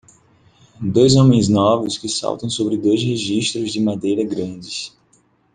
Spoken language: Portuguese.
Dois homens novos que saltam sobre dois registros de madeira grandes.